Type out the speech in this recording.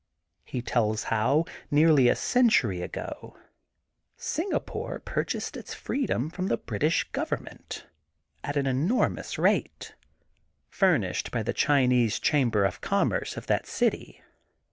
He tells how, nearly a century ago, Singapore pur chased its freedom from the British Govern ment at an enormous fee, furnished by the Chinese Chamber of Commerce of that city.